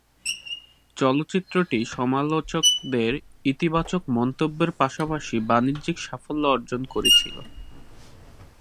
চলচ্চিত্রটি সমালোচকদের ইতিবাচক মন্তব্যের পাশাপাশি বাণিজ্যিক সাফল্য অর্জন করেছিল।